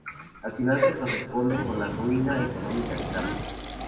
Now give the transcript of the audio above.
El final se corresponde con la ruina económica de Carmen.